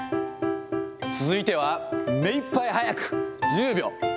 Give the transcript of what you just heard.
続いては、めいっぱい速く１０秒。